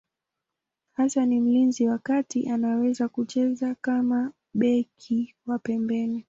Hasa ni mlinzi wa kati, anaweza pia kucheza kama beki wa pembeni.